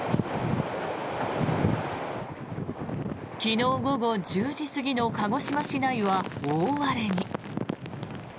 昨日午後１０時過ぎの鹿児島市内は大荒れに。